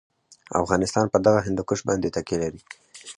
افغانستان په دغه هندوکش باندې تکیه لري.